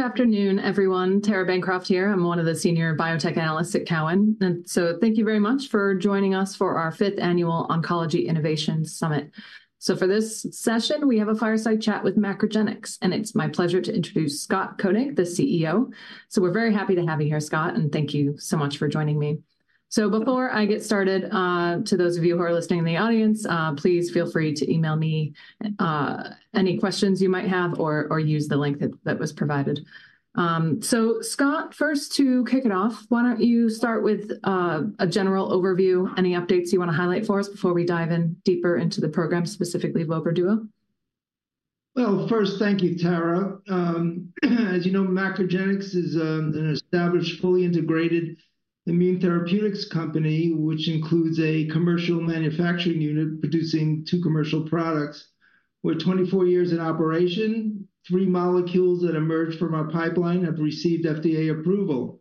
Good afternoon, everyone. Tara Bancroft here. I'm one of the senior biotech analysts at Cowen. Thank you very much for joining us for our fifth Annual Oncology Innovation Summit. So for this session, we have a fireside chat with MacroGenics, and it's my pleasure to introduce Scott Koenig, the CEO. So we're very happy to have you here, Scott, and thank you so much for joining me. So before I get started, to those of you who are listening in the audience, please feel free to email me, any questions you might have or use the link that was provided. So Scott, first to kick it off, why don't you start with a general overview, any updates you wanna highlight for us before we dive in deeper into the program, specifically vobra duo? Well, first, thank you, Tara. As you know, MacroGenics is an established, fully integrated immune therapeutics company, which includes a commercial manufacturing unit producing two commercial products. We're 24 years in operation. Three molecules that emerged from our pipeline have received FDA approval.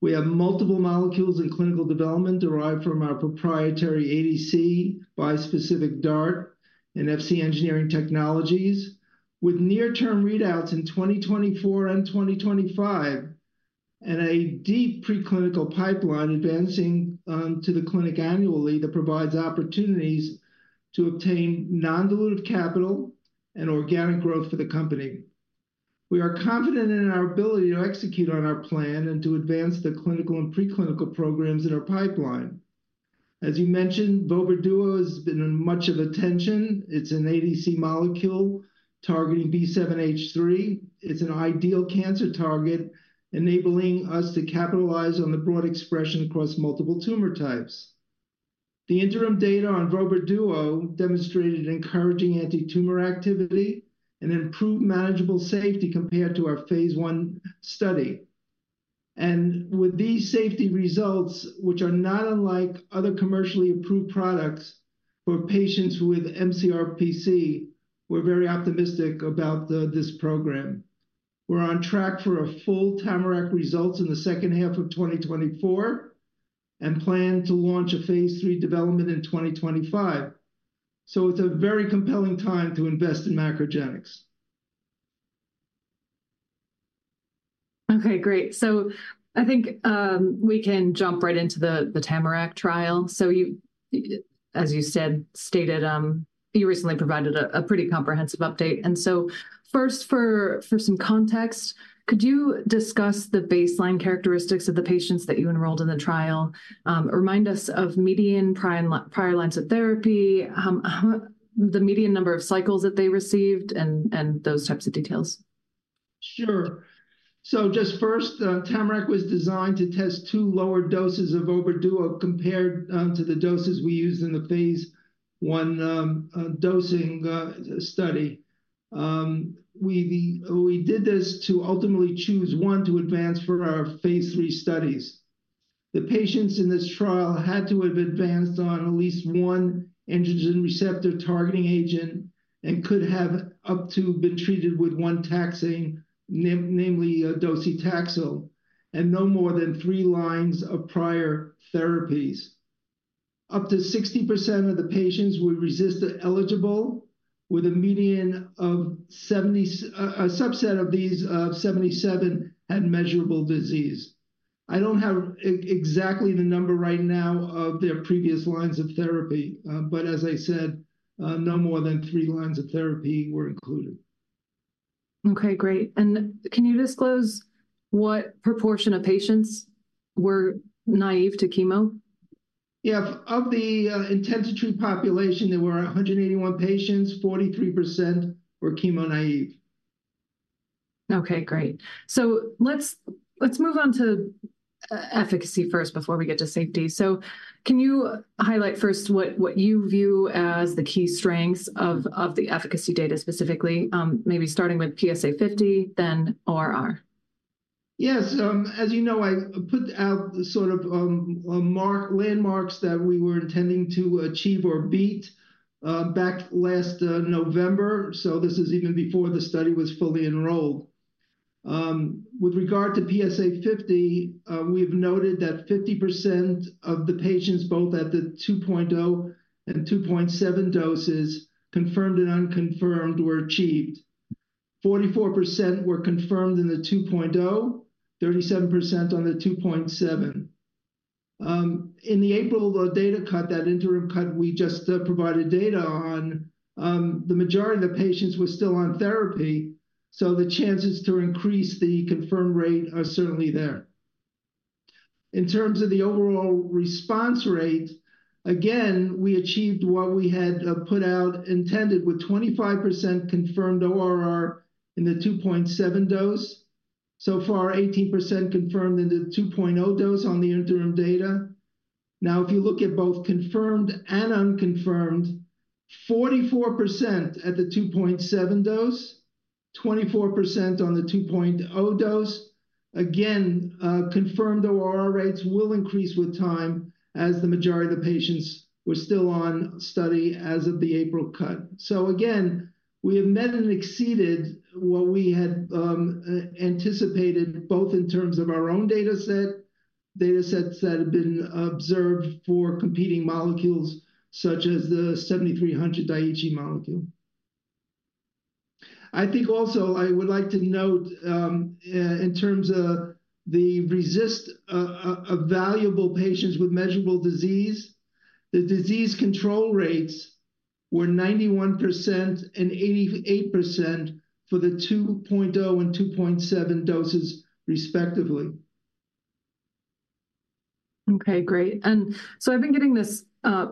We have multiple molecules in clinical development derived from our proprietary ADC, bispecific DART, and Fc engineering technologies, with near-term readouts in 2024 and 2025, and a deep preclinical pipeline advancing to the clinic annually that provides opportunities to obtain non-dilutive capital and organic growth for the company. We are confident in our ability to execute on our plan and to advance the clinical and preclinical programs in our pipeline. As you mentioned, vobra duo has been in much of attention. It's an ADC molecule targeting B7-H3. It's an ideal cancer target, enabling us to capitalize on the broad expression across multiple tumor types. The interim data on vobra duo demonstrated encouraging antitumor activity and improved manageable safety compared to our phase I study. With these safety results, which are not unlike other commercially approved products for patients with mCRPC, we're very optimistic about the this program. We're on track for full TAMARACK results in the second half of 2024, and plan to launch a phase III development in 2025. It's a very compelling time to invest in MacroGenics. Okay, great. So I think, we can jump right into the TAMARACK trial. So you, as you said, stated, you recently provided a pretty comprehensive update. And so first for some context, could you discuss the baseline characteristics of the patients that you enrolled in the trial? Remind us of median prior lines of therapy, how the median number of cycles that they received, and those types of details. Sure. So just first, TAMARACK was designed to test 2 lower doses of vobra duo compared to the doses we used in the phase I dosing study. We did this to ultimately choose one to advance for our phase III studies. The patients in this trial had to have advanced on at least 1 androgen receptor targeting agent and could have up to been treated with 1 taxane, namely docetaxel, and no more than 3 lines of prior therapies. Up to 60% of the patients were RECIST-eligible, with a median of 70. A subset of these 77 had measurable disease. I don't have exactly the number right now of their previous lines of therapy, but as I said, no more than 3 lines of therapy were included. Okay, great. Can you disclose what proportion of patients were naive to chemo? Yeah. Of the, intent-to-treat population, there were 181 patients, 43% were chemo naive. Okay, great. So let's, let's move on to efficacy first before we get to safety. So can you highlight first what, what you view as the key strengths of, of the efficacy data specifically, maybe starting with PSA50, then ORR? Yes. As you know, I put out the sort of milestones that we were intending to achieve or beat back last November, so this is even before the study was fully enrolled. With regard to PSA50, we've noted that 50% of the patients, both at the 2.0 and 2.7 doses, confirmed and unconfirmed, were achieved. 44% were confirmed in the 2.0, 37% on the 2.7. In the April data cut, that interim cut we just provided data on, the majority of the patients were still on therapy, so the chances to increase the confirmed rate are certainly there. In terms of the overall response rate, again, we achieved what we had put out intended, with 25% confirmed ORR in the 2.7 dose. So far, 18% confirmed in the 2.0 dose on the interim data. Now, if you look at both confirmed and unconfirmed, 44% at the 2.7 dose, 24% on the 2.0 dose. Again, confirmed ORR rates will increase with time, as the majority of the patients were still on study as of the April cut. So again, we have met and exceeded what we had anticipated, both in terms of our own data sets that have been observed for competing molecules, such as the DS-7300 Daiichi Sankyo molecule. I think also I would like to note in terms of RECIST-evaluable patients with measurable disease, the disease control rates were 91% and 88% for the 2.0 and 2.7 doses respectively. Okay, great. And so I've been getting this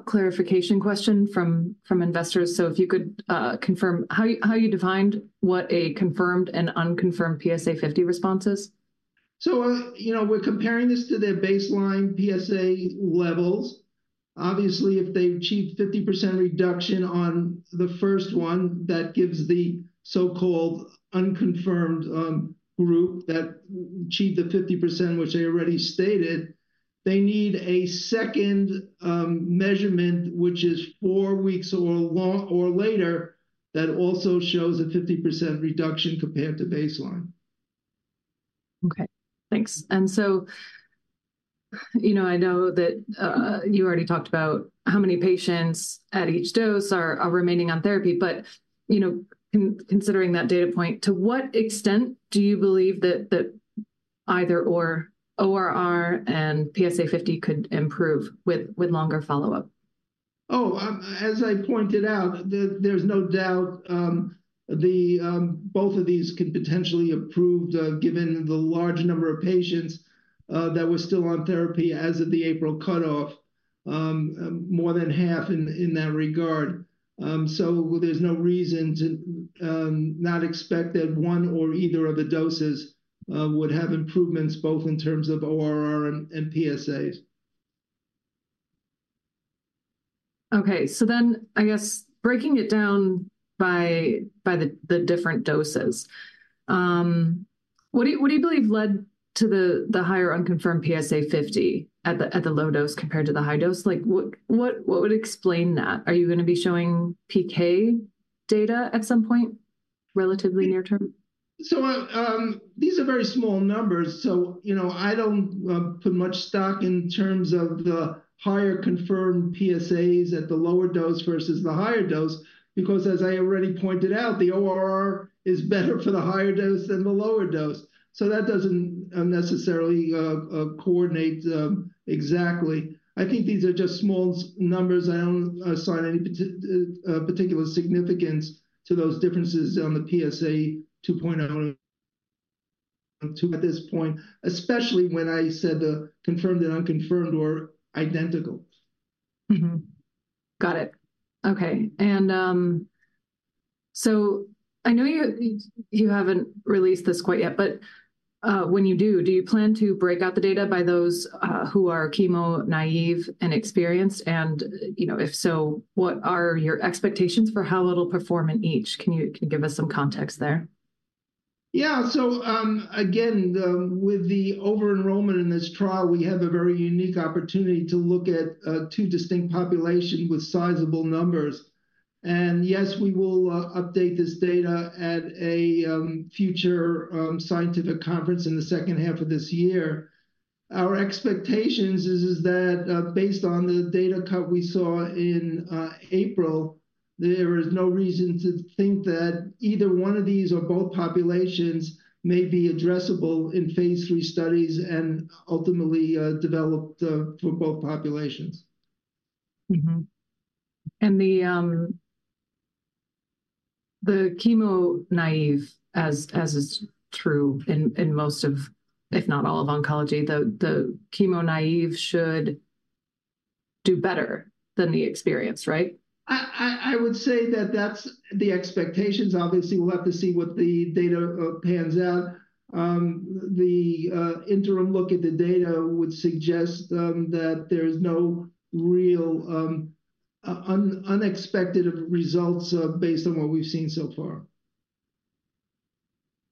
clarification question from investors. So if you could confirm how you defined what a confirmed and unconfirmed PSA50 response is? You know, we're comparing this to their baseline PSA levels. Obviously, if they've achieved 50% reduction on the first one, that gives the so-called unconfirmed group that achieved the 50%, which they already stated. They need a second measurement, which is four weeks or later, that also shows a 50% reduction compared to baseline. Okay, thanks. And so I know that you already talked about how many patients at each dose are remaining on therapy, but considering that data point, to what extent do you believe that either or ORR and PSA 50 could improve with longer follow-up? Oh, as I pointed out, there's no doubt both of these could potentially improve, given the large number of patients that were still on therapy as of the April cutoff, more than half in that regard. So there's no reason to not expect that one or either of the doses would have improvements, both in terms of ORR and PSAs. Okay. So then, I guess, breaking it down by the different doses, what do you believe led to the higher unconfirmed PSA 50 at the low dose compared to the high dose? Like, what would explain that? Are you gonna be showing PK data at some point, relatively near term? So, these are very small numbers, so I don't put much stock in terms of the higher confirmed PSAs at the lower dose versus the higher dose, because as I already pointed out, the ORR is better for the higher dose than the lower dose. So that doesn't necessarily coordinate exactly. I think these are just small numbers. I don't assign any particular significance to those differences on the PSA to point out at this point, especially when I said the confirmed and unconfirmed were identical. Mm-hmm. Got it. Okay. And so I know you haven't released this quite yet, but when you do, do you plan to break out the data by those who are chemo naive and experienced? And you know, if so, what are your expectations for how it'll perform in each? Can you give us some context there? Yeah. So, again, with the over-enrollment in this trial, we have a very unique opportunity to look at two distinct population with sizable numbers. And yes, we will update this data at a future scientific conference in the second half of this year. Our expectations is that, based on the data cut we saw in April, there is no reason to think that either one of these or both populations may be addressable in phase III studies and ultimately developed for both populations. And the chemo naive, as is true in most of, if not all, of oncology, the chemo naive should do better than the experienced, right? I would say that that's the expectations. Obviously, we'll have to see what the data pans out. The interim look at the data would suggest that there's no real unexpected results based on what we've seen so far.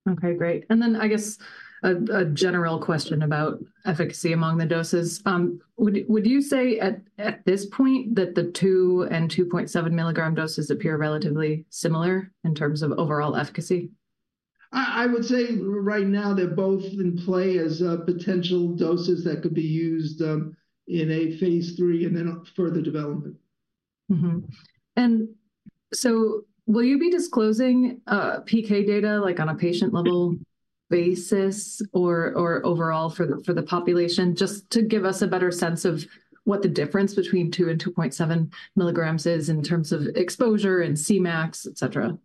Okay, great. And then, I guess, a general question about efficacy among the doses. Would you say at this point that the 2- and 2.7-milligram doses appear relatively similar in terms of overall efficacy? I would say right now they're both in play as potential doses that could be used in a Phase 3 and then further development. And so will you be disclosing PK data, like, on a patient-level basis or overall for the population, just to give us a better sense of what the difference between 2 and 2.7 milligrams is in terms of exposure and Cmax, et cetera?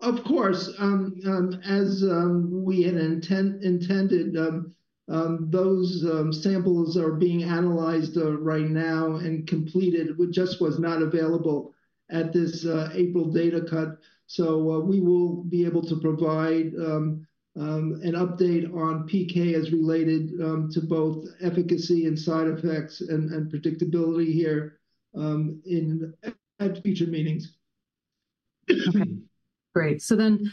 Of course. As we had intended, those samples are being analyzed right now and completed. It just was not available at this April data cut. So, we will be able to provide an update on PK as related to both efficacy and side effects and predictability here at future meetings. Okay, great. So then,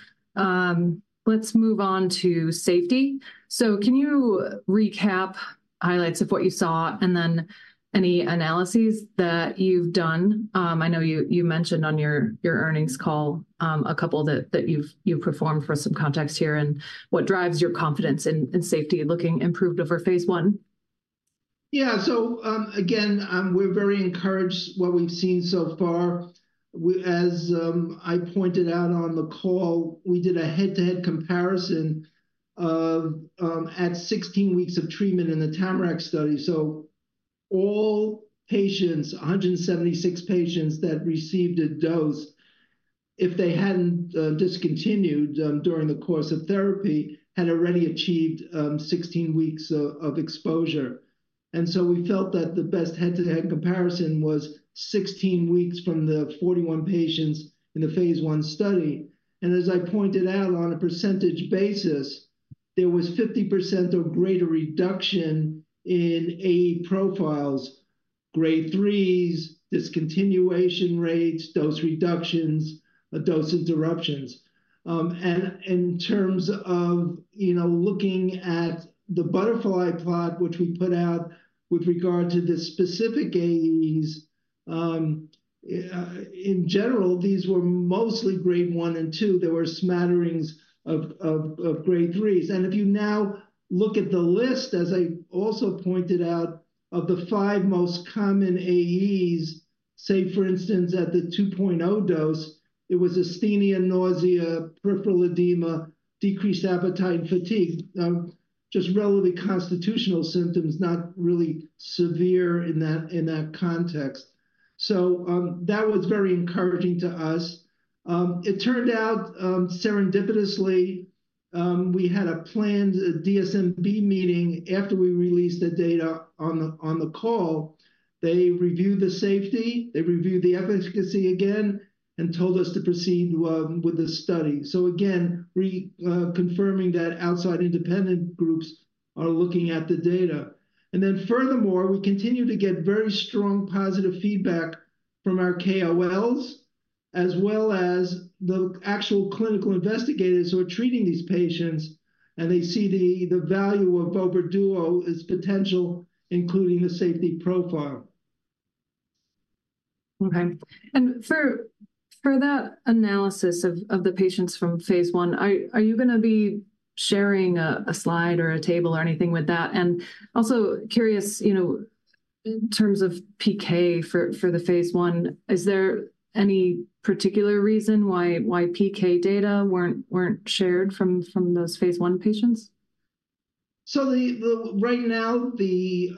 let's move on to safety. So can you recap highlights of what you saw, and then any analyses that you've done? I know you mentioned on your earnings call a couple that you've performed for some context here, and what drives your confidence in safety looking improved over Phase 1? Yeah, so, again, we're very encouraged what we've seen so far. We, as, I pointed out on the call, we did a head-to-head comparison of, at 16 weeks of treatment in the Tamarack study. So all patients, 176 patients that received a dose, if they hadn't, discontinued, during the course of therapy, had already achieved, 16 weeks of exposure. And so we felt that the best head-to-head comparison was 16 weeks from the 41 patients in the phase I study. And as I pointed out, on a percentage basis, there was 50% or greater reduction in AE profiles, Grade 3s, discontinuation rates, dose reductions, or dose interruptions. In terms of looking at the butterfly plot, which we put out with regard to the specific AEs, in general, these were mostly Grade 1 and 2. There were smatterings of Grade 3s. And if you now look at the list, as I also pointed out, of the 5 most common AEs, say, for instance, at the 2.0 dose, it was asthenia, nausea, peripheral edema, decreased appetite, and fatigue. Just relatively constitutional symptoms, not really severe in that context. So, that was very encouraging to us. It turned out serendipitously, we had a planned DSMB meeting after we released the data on the call. They reviewed the safety, they reviewed the efficacy again, and told us to proceed with the study. So again, confirming that outside independent groups are looking at the data. And then furthermore, we continue to get very strong positive feedback from our KOLs, as well as the actual clinical investigators who are treating these patients, and they see the value of vobra duo as potential, including the safety profile. Okay. And for that analysis of the patients from phase I, are you gonna be sharing a slide or a table or anything with that? And also curious in terms of PK for the phase I, is there any particular reason why PK data weren't shared from those phase I patients? So right now, the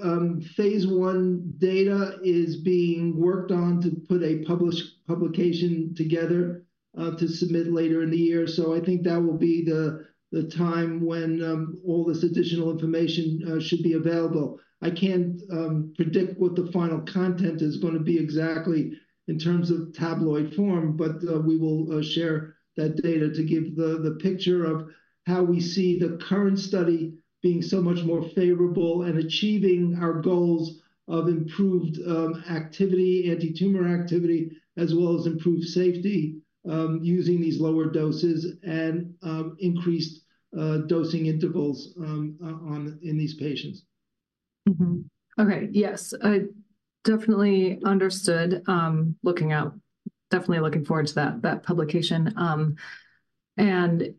phase I data is being worked on to put a published publication together, to submit later in the year. So I think that will be the time when all this additional information should be available. I can't predict what the final content is gonna be exactly in terms of tabloid form, but we will share that data to give the picture of how we see the current study being so much more favorable and achieving our goals of improved activity, antitumor activity, as well as improved safety, using these lower doses and increased dosing intervals in these patients. Okay, yes, I definitely understood, looking forward to that publication. and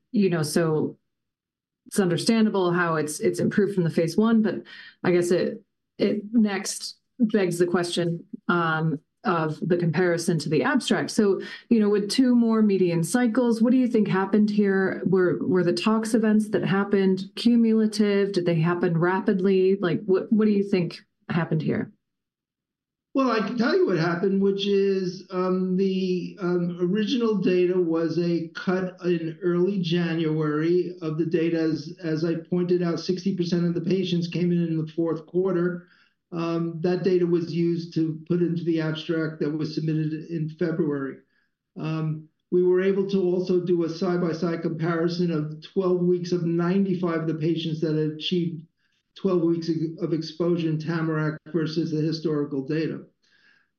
so it's understandable how it's improved from the phase I, but I guess it next begs the question of the comparison to the abstract. so with two more median cycles, what do you think happened here? Were the tox events that happened cumulative? Did they happen rapidly? Like, what do you think happened here? Well, I can tell you what happened, which is, the original data was a cut in early January of the data. As I pointed out, 60% of the patients came in in the fourth quarter. That data was used to put into the abstract that was submitted in February. We were able to also do a side-by-side comparison of 12 weeks of 95 of the patients that achieved 12 weeks of exposure in Tamarack versus the historical data.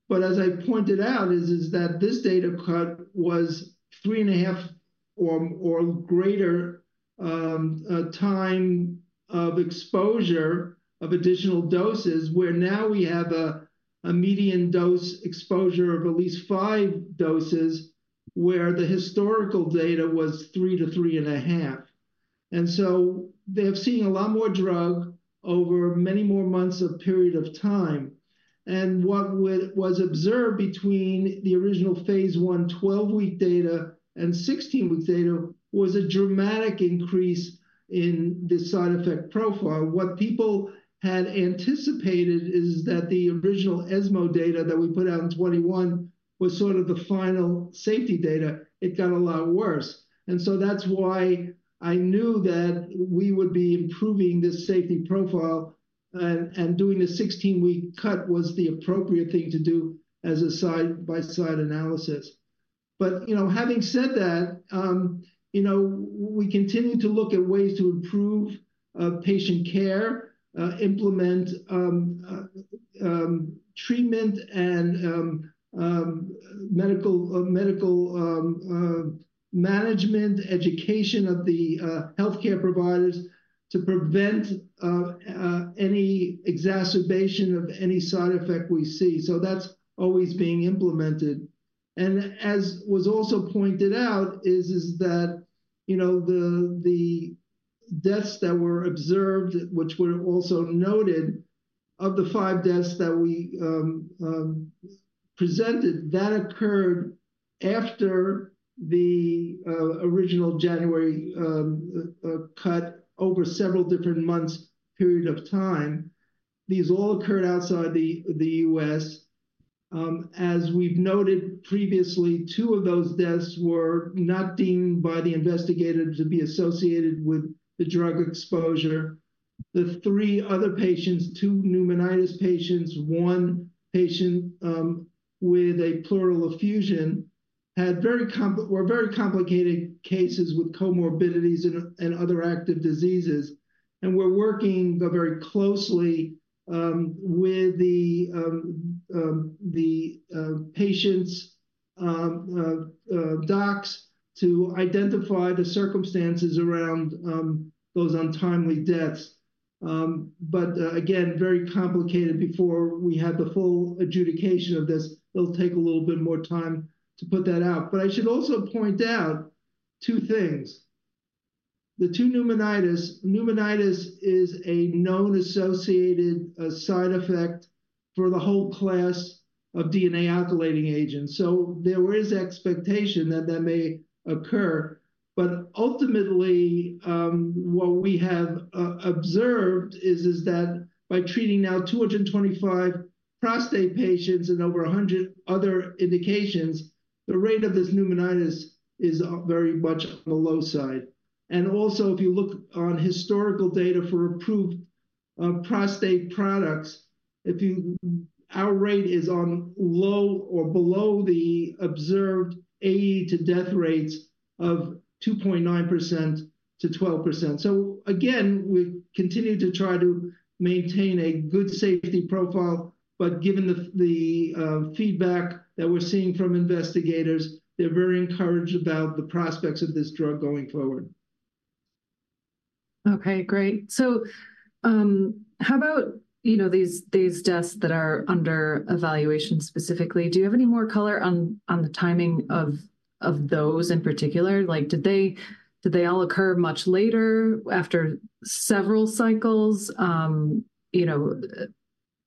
But as I pointed out, that this data cut was 3.5 or greater time of exposure of additional doses, where now we have a median dose exposure of at least 5 doses, where the historical data was 3-3.5. So they have seen a lot more drug over many more months of period of time. What was observed between the original phase I, 12-week data and 16-week data, was a dramatic increase in the side effect profile. What people had anticipated is that the original ESMO data that we put out in 2021 was sort of the final safety data. It got a lot worse. That's why I knew that we would be improving this safety profile, and doing the 16-week cut was the appropriate thing to do as a side-by-side analysis. but having said that we continue to look at ways to improve patient care, implement treatment and medical management education of the healthcare providers to prevent any exacerbation of any side effect we see. So that's always being implemented. And as was also pointed out, is that you know, the deaths that were observed, which were also noted, of the five deaths that we presented, that occurred after the original January cutoff over several different months period of time. These all occurred outside the U.S. As we've noted previously, two of those deaths were not deemed by the investigator to be associated with the drug exposure. The three other patients, two pneumonitis patients, one patient with a pleural effusion, had very complicated cases with comorbidities and other active diseases. We're working, though, very closely with the patients' docs to identify the circumstances around those untimely deaths. But again, very complicated before we had the full adjudication of this. It'll take a little bit more time to put that out. But I should also point out two things. The two pneumonitis patients, pneumonitis is a known associated side effect for the whole class of DNA alkylating agents, so there is expectation that that may occur. But ultimately, what we have observed is that by treating now 225 prostate patients and over 100 other indications, the rate of this pneumonitis is very much on the low side. And also, if you look on historical data for approved prostate products, our rate is on low or below the observed AE to death rates of 2.9%-12%. So again, we continue to try to maintain a good safety profile, but given the feedback that we're seeing from investigators, they're very encouraged about the prospects of this drug going forward. Okay, great. So, how about these deaths that are under evaluation specifically? Do you have any more color on the timing of those in particular? Like, did they all occur much later, after several cycles? You know,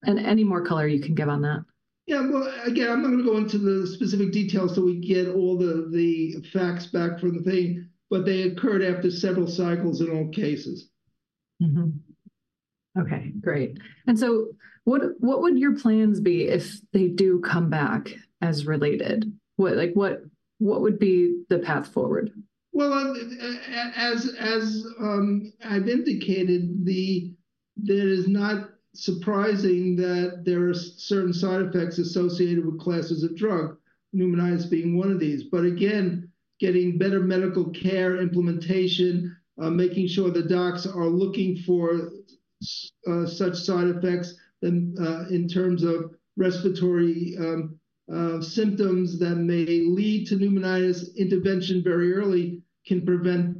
and any more color you can give on that? Yeah, well, again, I'm not gonna go into the specific details till we get all the facts back from the PV, but they occurred after several cycles in all cases. Okay, great. And so what, what would your plans be if they do come back as related? What, like, what, what would be the path forward? Well, as I've indicated, that is not surprising that there are certain side effects associated with classes of drug, pneumonitis being one of these. But again, getting better medical care implementation, making sure the docs are looking for such side effects, then, in terms of respiratory, symptoms that may lead to pneumonitis, intervention very early can prevent,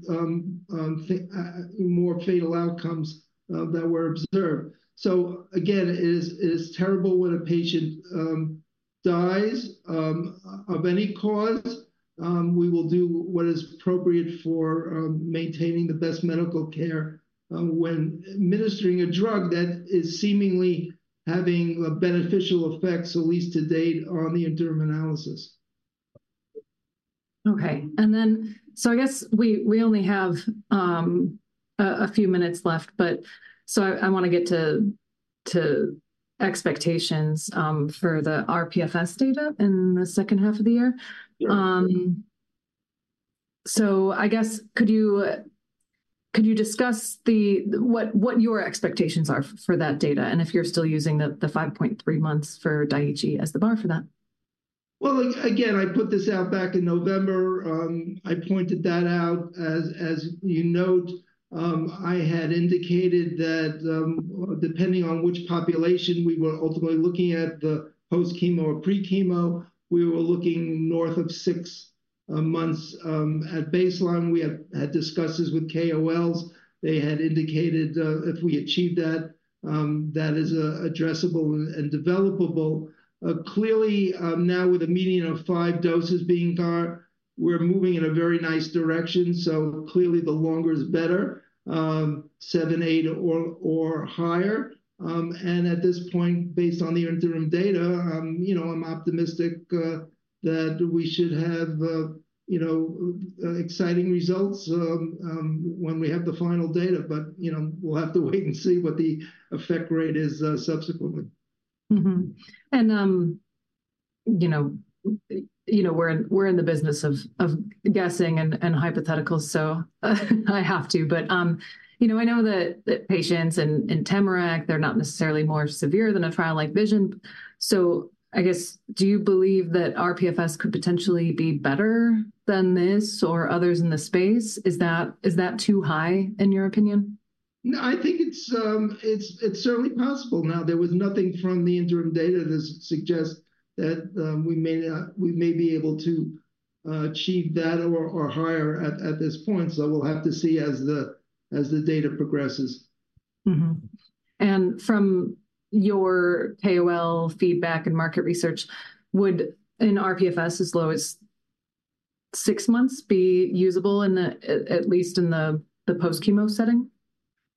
more fatal outcomes, that were observed. So again, it is terrible when a patient dies, of any cause. We will do what is appropriate for, maintaining the best medical care, when administering a drug that is seemingly having beneficial effects, at least to date, on the interim analysis. Okay. And then, so I guess we only have a few minutes left, but so I wanna get to expectations for the rPFS data in the second half of the year. Yeah. So I guess, could you discuss what your expectations are for that data, and if you're still using the 5.3 months for Daiichi as the bar for that? Well, again, I put this out back in November. I pointed that out. As, as you note, I had indicated that, depending on which population we were ultimately looking at, the post-chemo or pre-chemo, we were looking north of 6 months at baseline. We had, had discussions with KOLs. They had indicated, if we achieve that, that is, addressable and, and developable. Clearly, now with a median of 5 doses being got, we're moving in a very nice direction. So clearly, the longer is better, 7, 8, or, or higher. And at this point, based on the interim data I'm optimistic that we should have exciting results, when we have the final data but we'll have to wait and see what the effect rate is, subsequently. We're in the business of guessing and hypotheticals, so I have to. but I know that patients in TAMARACK, they're not necessarily more severe than a trial like VISION. So I guess, do you believe that rPFS could potentially be better than this or others in the space? Is that too high, in your opinion? No, I think it's certainly possible. Now, there was nothing from the interim data that suggests that we may be able to achieve that or higher at this point. So we'll have to see as the data progresses. And from your KOL feedback and market research, would an rPFS as low as 6 months be usable in the, at least in the post-chemo setting?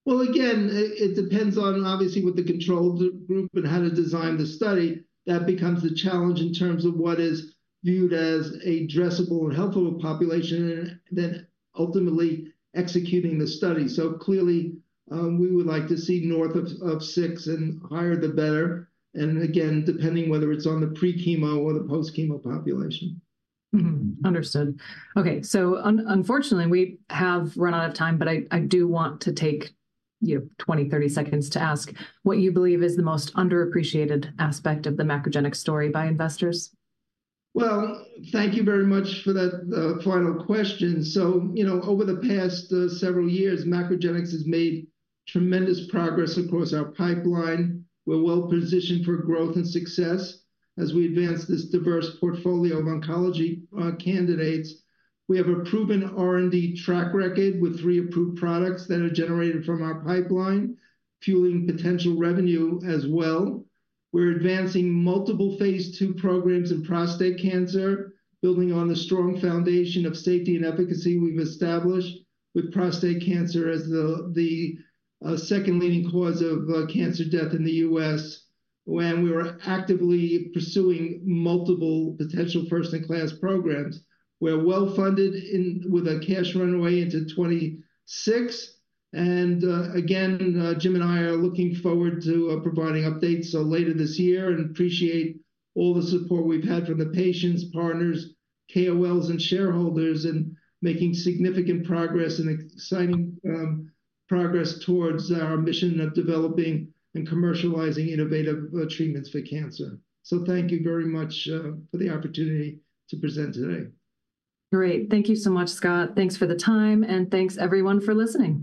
Well, again, it depends on obviously what the control group and how to design the study. That becomes a challenge in terms of what is viewed as addressable and helpful population, and then ultimately executing the study. So clearly, we would like to see north of six, and higher the better, and again, depending whether it's on the pre-chemo or the post-chemo population. Understood. Okay, so unfortunately, we have run out of time, but I, I do want to take 20, 30 seconds to ask: What you believe is the most underappreciated aspect of the MacroGenics story by investors? Well, thank you very much for that final question. so over the past several years, MacroGenics has made tremendous progress across our pipeline. We're well-positioned for growth and success as we advance this diverse portfolio of oncology candidates. We have a proven R&D track record with three approved products that are generated from our pipeline, fueling potential revenue as well. We're advancing multiple phase II programs in prostate cancer, building on the strong foundation of safety and efficacy we've established, with prostate cancer as the second leading cause of cancer death in the U.S., when we were actively pursuing multiple potential first-in-class programs. We're well-funded with a cash runway into 2026. And, again, Jim and I are looking forward to providing updates later this year, and appreciate all the support we've had from the patients, partners, KOLs, and shareholders in making significant progress and exciting progress towards our mission of developing and commercializing innovative treatments for cancer. So thank you very much for the opportunity to present today. Great. Thank you so much, Scott. Thanks for the time, and thanks everyone for listening.